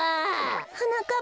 はなかっ